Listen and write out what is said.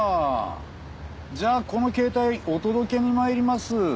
じゃあこの携帯お届けに参ります。